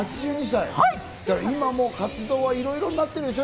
今、活動はいろいろやってるんでしょ？